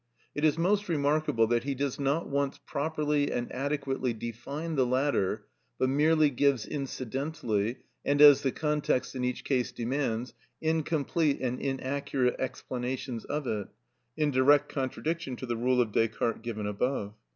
It is most remarkable that he does not once properly and adequately define the latter, but merely gives incidentally, and as the context in each case demands, incomplete and inaccurate explanations of it, in direct contradiction to the rule of Descartes given above.